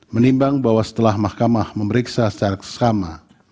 menimbang bahwa setelah mahkamah memeriksa secara sesama